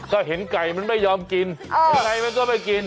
ก็เห็นไก่มันไม่ยอมกินยังไงมันก็ไม่กิน